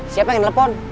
siapa yang telepon